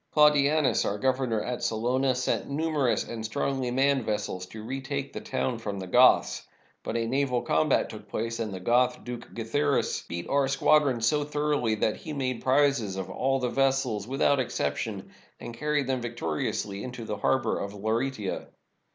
Claudianus, our governor at Salona, sent numerous and strongly manned vessels to retake the town from the Goths. But a naval combat took place, and the Goth, Duke Guiitharis, beat our squadron so thoroughly that he m.ade prizes of all the vessels without exception, and carried them victoriously into the harbor of Laureata.